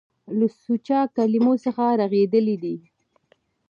له سوچه کلمو څخه رغېدلي دي.